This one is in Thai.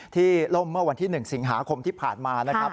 ล่มเมื่อวันที่๑สิงหาคมที่ผ่านมานะครับ